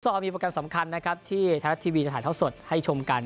เรามีโปรแกรมสำคัญนะครับที่ไทยรัฐทีวีจะถ่ายเท่าสดให้ชมกัน